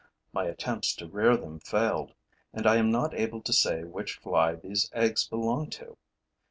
My attempts to rear them failed; and I am not able to say which fly these eggs belong to.